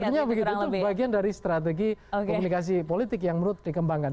artinya begitu itu bagian dari strategi komunikasi politik yang menurut dikembangkan